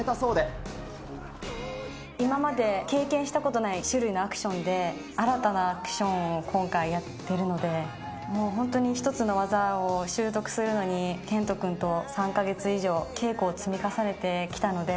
今まで経験したことない種類のアクションで、新たなアクションを今回やってるので、もう本当に、１つの技を習得するのに、賢人君と３か月以上、稽古を積み重ねてきたので。